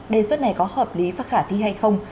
đề xuất này có hợp lý và khả thi hay không